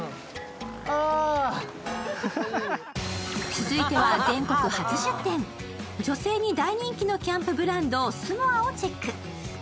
続いては全国初出店、女性に大人気のキャンプブランドＳ’ｍｏｒｅをチェック。